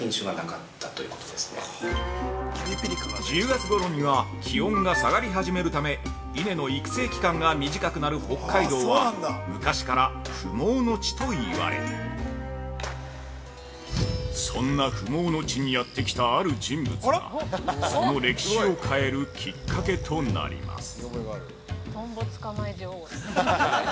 ◆１０月ごろには気温が下がり始めるため稲の生育期間が短くなる北海道は昔から、不毛の地といわれそんな不毛の地にやってきたある人物がその歴史を変えるきっかけとなります。